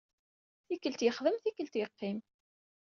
Tikkelt yexdem, tikkelt yeqqim.